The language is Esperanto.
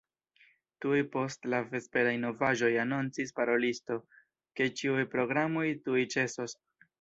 Tuj post la vesperaj novaĵoj anoncis parolisto, ke ĉiuj programoj tuj ĉesos.